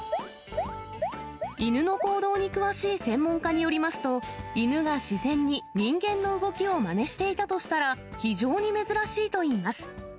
犬の行動に詳しい専門家によりますと、犬が自然に人間の動きをまねしていたとしたら、非常に珍しいといいます。